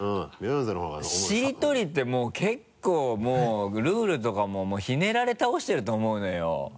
しりとりってもう結構もうルールとかももうひねられ倒してると思うのよ。